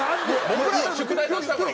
僕らは宿題出したから。